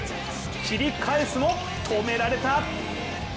切り返すも止められた！